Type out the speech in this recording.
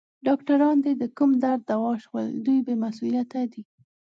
ډاکټران دي د کوم درد دوا شول؟ دوی بې مسؤلیته دي.